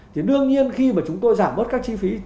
thì đương nhiên khi mà chúng tôi giảm bớt các chi phí